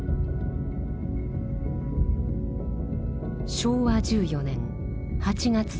昭和１４年８月３０日。